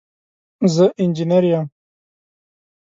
زه انجينر يم.